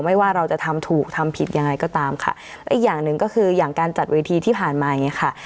ว่าเราจะทำถูกทำผิดยังไงก็ตามค่ะและอีกอย่างหนึ่งก็คืออย่างการจัดเวทีที่ผ่านมาอย่างเงี้ยค่ะ